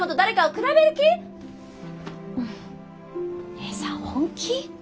姉さん本気？